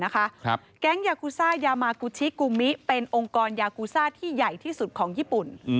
แก๊งยากูซ่ายามากูชิกุมิเป็นองค์กรยากูซ่าที่ใหญ่ที่สุดของญี่ปุ่น